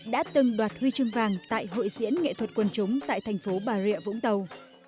đã từng đoạt huy chương vàng tại hội diễn nghệ thuật quân chúng tại thành phố bà rịa vũng tàu